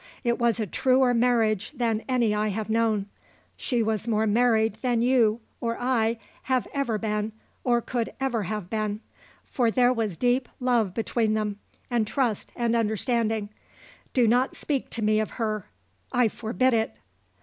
It was a truer marriage than any I have known. She was more married than you or I have ever been or could ever have been; for there was deep love between them, and trust and understanding. Do not speak to me of her. I forbid it."